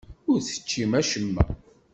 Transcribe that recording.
Ur teččim acemma.